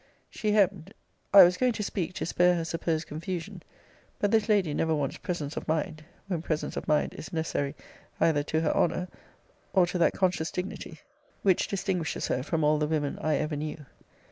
She hemmed I was going to speak, to spare her supposed confusion: but this lady never wants presence of mind, when presence of mind is necessary either to her honour, or to that conscious dignity which distinguishes her from all the women I ever knew.